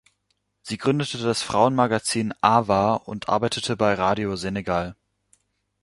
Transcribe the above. Sie gründete das Frauenmagazin "Awa" und arbeitete bei Radio Senegal.